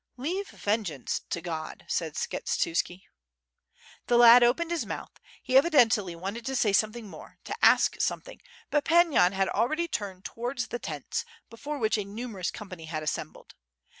"L^ve vengeance to God," said Skshetuski. The lad opened his mouth; he evidently wanted to say something more, to ask something, but Pan Yan had already turned towards the tents, before which a numerous company had assembled.